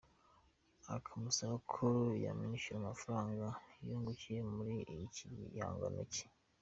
akamusaba ko yamwishyura amafaranga yungukiye muri iki gihangano cye.